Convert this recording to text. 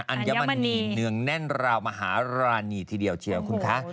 อัญมณีเนืองแน่นราวมหารานีทีเดียวเชียวคุณคะ